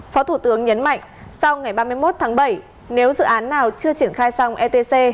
phó thủ tướng nhấn mạnh sau ngày ba mươi một tháng bảy nếu dự án nào chưa triển khai xong etc